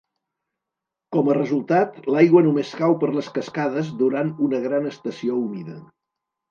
Com a resultat, l'aigua només cau per les cascades durant una gran estació humida.